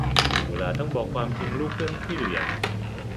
ถึงเวลาต้องบอกความจริงลูกเรื่องพี่เลี้ยง